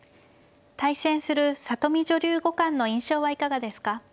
対戦する里見女流五冠の印象はいかがですか。